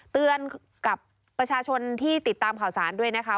เตือนกับประชาชนที่ติดตามข่าวสารด้วยนะคะ